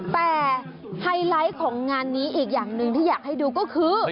แต่ไฮไลท์ของงานนี้อีกอย่างหนึ่งที่อยากให้ดูก็คือ